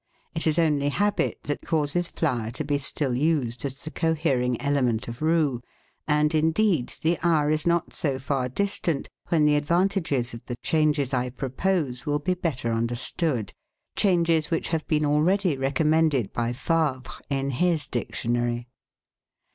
It is only habit that causes flour to be still used as the cohering element of roux, and, indeed, the hour is not so far distant when the advantages of the changes I propose will be better understood — changes which have been already recom mended by Favre in his dictionary.